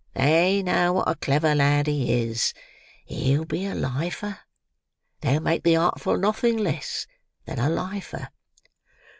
They know what a clever lad he is; he'll be a lifer. They'll make the Artful nothing less than a lifer."